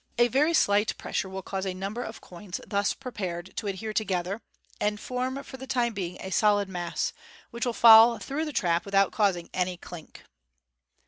A very slight pressure will cause a number of coins thus prepared to adhere together, and form for the time being a solid mass, which will fall through the trap without causing any "clink."